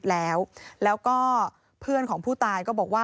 พ่อพูดว่าพ่อพูดว่าพ่อพูดว่าพ่อพูดว่า